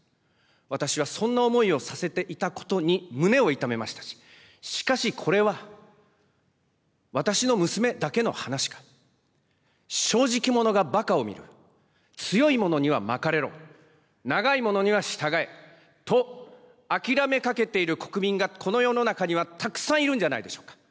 私はそんな思いをさせていたことに胸を痛めましたし、しかし、これは私の娘だけの話か、正直者がばかを見る、強いものには巻かれろ、長いものには従えと諦めかけている国民がこの世の中にはたくさんいるんじゃないでしょうか。